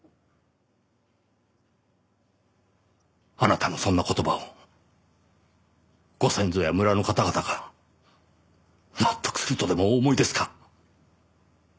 あなたのそんな言葉をご先祖や村の方々が納得するとでもお思いですか？